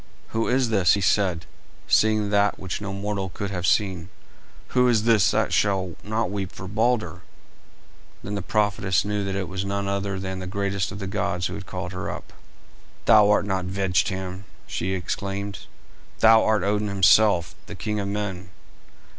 "Who is this," he said, seeing that which no mortal could have seen; "who is this that will not weep for Balder?" Then the prophetess knew that it was none other than the greatest of the gods who had called her up. "Thou art not Vegtam," she exclaimed, "thou art Odin himself, the king of men."